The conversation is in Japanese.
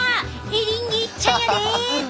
エリンギいっちゃんやで！